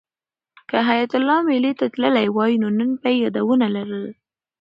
که حیات الله مېلې ته تللی وای نو نن به یې یادونه لرل.